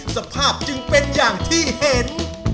สภาพจึงเป็นอย่างที่เห็น